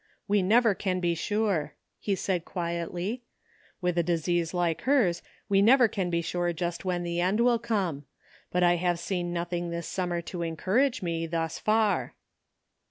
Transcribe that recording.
''We never can be sure," he said quietly. "With a disease like hers we never can be sure just when the end will come ; but I have seen nothing this summer to encourage me, thus far."